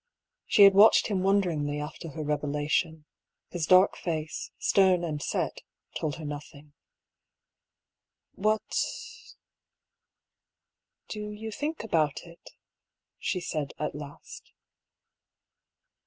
She had watched him wonderingly after her revelation. His dark face, stern and set, told her nothing. "What — you think about it?" she said, at last.